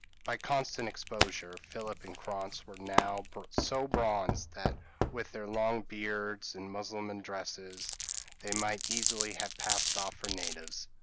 By constant exposure Philip and Krantz were now so bronzed that with their long beards and Mussulman dresses, they might easily have passed off for natives.